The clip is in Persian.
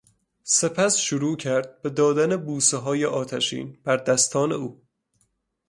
سپس شروع کرد به دادن بوسه های آتشین بر دستان او